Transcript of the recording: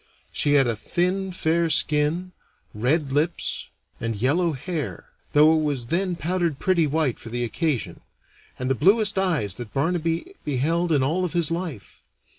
She had a thin, fair skin, red lips, and yellow hair though it was then powdered pretty white for the occasion and the bluest eyes that Barnaby beheld in all of his life.